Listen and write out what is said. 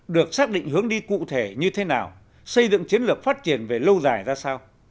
được xác định hướng đi cụ thể như thế nào xây dựng chiến lược phát triển về lâu dài ra sao